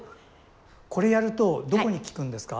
これやるとどこに効くんですか？